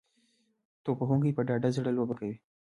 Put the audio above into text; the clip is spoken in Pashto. توپ وهونکي په ډاډه زړه لوبه کوي.